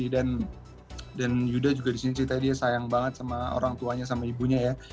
dan yuda juga disini sih tadi sayang banget sama orang tuanya sama ibunya ya